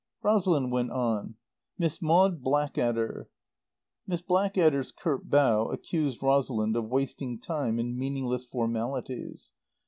Rosalind went on. "Miss Maud Blackadder " Miss Blackadder's curt bow accused Rosalind of wasting time in meaningless formalities.